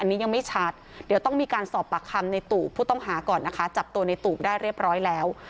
อันนี้ยังไม่ชัดเดี๋ยวต้องมีการสอบปากคำในตูบผู้ต้องหาก่อนนะคะจับตัวในตูบได้เรียบร้อยแล้ว